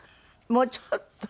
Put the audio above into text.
もうちょっと。